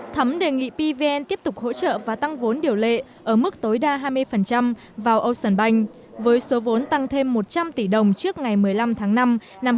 thấm đề nghị pvn tiếp tục hỗ trợ và tăng vốn điều lệ ở mức tối đa hai mươi vào ocean bank với số vốn tăng thêm một trăm linh tỷ đồng trước ngày một mươi năm tháng năm năm hai nghìn hai mươi